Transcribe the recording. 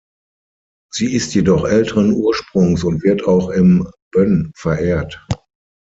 Sie ist jedoch älteren Ursprungs und wird auch im Bön verehrt.